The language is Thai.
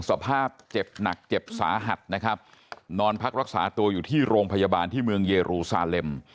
สภาพเจ็บหนักเจ็บสาหัสนะครับนอนพักรักษาตัวอยู่ที่โรงพยาบาลที่เมืองเยรูซาเลม